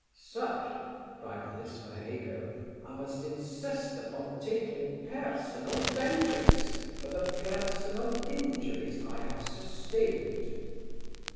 'Sir (cried Lismahago), I must insist upon taking personal vengeance for the personal injuries I have sustained.